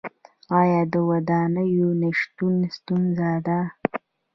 آیا د ودانیو نشتون ستونزه ده؟